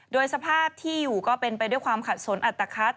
โดยสภาพที่อยู่ก็เป็นไปด้วยความขัดสนอัตภัท